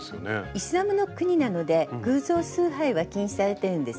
イスラムの国なので偶像崇拝は禁止されてるんですね。